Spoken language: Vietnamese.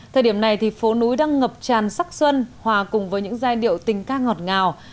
thời điểm này thì phố núi đang ngập tràn sắc xuân hòa cùng với những giai điệu tình ca ngọt ngào